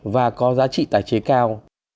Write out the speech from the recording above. và có giá trị tái chế cao